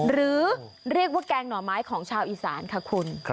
หรือเรียกว่าแกงหน่อไม้ของชาวอีสานค่ะคุณ